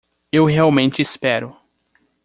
Eu realmente espero